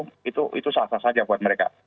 maka itu salah satu hal saja buat mereka